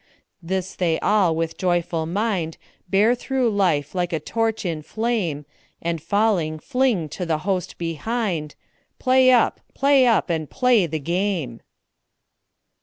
This they all with a joyful mind Bear through life like a torch in flame, And falling fling to the host behind "Play up! play up! and play the game!"